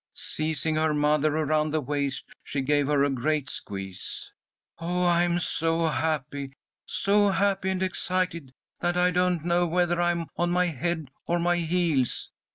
Seizing her mother around the waist, she gave her a great squeeze. "Oh, I'm so happy! So happy and excited that I don't know whether I'm on my head or my heels.